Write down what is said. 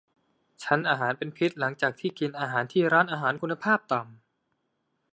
ฉันอาหารเป็นพิษหลังจากที่กินอาหารที่ร้านอาหารคุณภาพต่ำ